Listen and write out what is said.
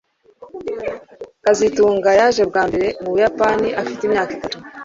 kazitunga yaje bwa mbere mu Buyapani afite imyaka itatu